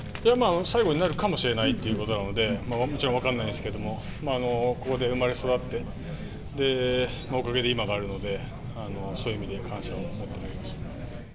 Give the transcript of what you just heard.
最後になるかもしれないということなので、もちろん分かんないんですけど、ここで生まれ育って、おかげで今があるので、そういう意味で感謝を持って投げました。